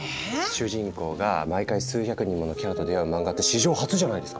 主人公が毎回数百人ものキャラと出会う漫画って史上初じゃないですか？